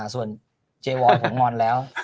ส่วนเจวอลผมงอนแล้ว